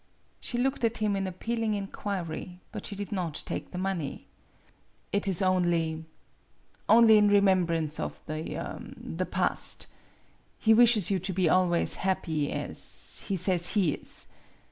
She looked at him in appealing inquiry, but she did not take the money. "It is only only in remembrance of the the past. He wishes you to be always happy as he says he is.